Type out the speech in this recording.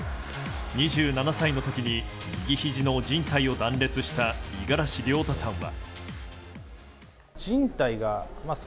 ２７歳の時に右ひじのじん帯を断裂した五十嵐亮太さんは。